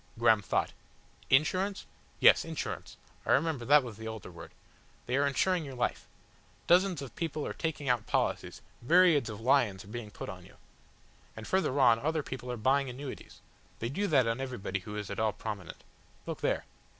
Graham thought. "Insurance?" "Yes Insurance. I remember that was the older word. They are insuring your life. Dozands of people are taking out policies, myriads of lions are being put on you. And further on other people are buying annuities. They do that on everybody who is at all prominent. Look there!"